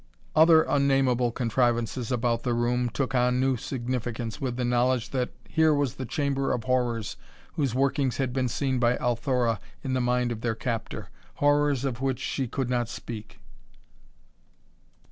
Other unnameable contrivances about the room took on new significance with the knowledge that here was the chamber of horrors whose workings had been seen by Althora in the mind of their captor horrors of which she could not speak.